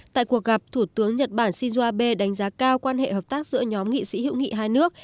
tại cuộc gặp thủ tướng nhật bản shinzo abe đánh giá cao quan hệ hợp tác giữa nhóm nghị sĩ hữu nghị hai nước